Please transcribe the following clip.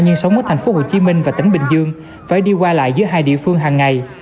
nhưng sống ở thành phố hồ chí minh và tỉnh bình dương phải đi qua lại giữa hai địa phương hàng ngày